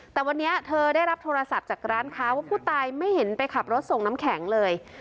แต่วันนี้เธอได้รับโทรศัพท์จากร้านค้าว่าผู้ตายไม่เห็นไปขับรถส่งน้ำแข็งเลย